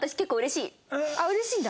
あっうれしいんだ？